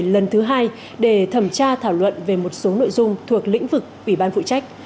lần thứ hai để thẩm tra thảo luận về một số nội dung thuộc lĩnh vực ủy ban phụ trách